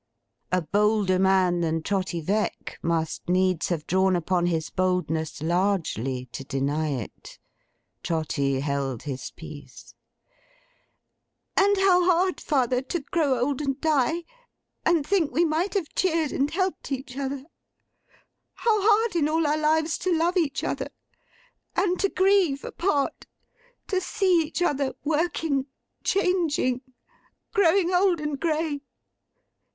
A bolder man than Trotty Veck must needs have drawn upon his boldness largely, to deny it. Trotty held his peace. 'And how hard, father, to grow old, and die, and think we might have cheered and helped each other! How hard in all our lives to love each other; and to grieve, apart, to see each other working, changing, growing old and grey.